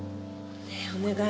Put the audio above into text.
ねえお願い